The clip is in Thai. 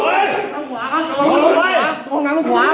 ตำรวจแห่งมือ